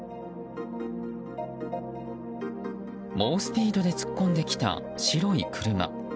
猛スピードで突っ込んできた白い車。